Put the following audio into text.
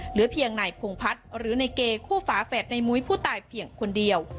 เหลือเพียงนายพงพัฒน์หรือในเกย์คู่ฝาแฝดในมุ้ยผู้ตายเพียงคนเดียว